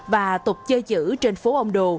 và tục chơi chữ trên phố ông đồ